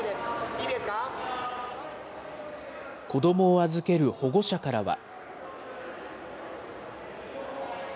子どもを預ける保護者からは。